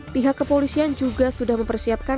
pihak kepolisian juga sudah mempersiapkan